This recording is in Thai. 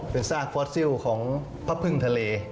เป็นซากฟอสซิลของพระพึ่งทะเล